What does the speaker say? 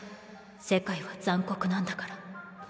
世界は残酷なんだから。